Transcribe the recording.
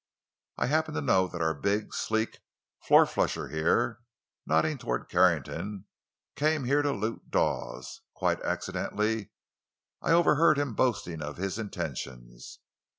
"I happen to know that our big, sleek four flusher here"—nodding toward Carrington—"came here to loot Dawes. Quite accidentally, I overheard him boasting of his intentions.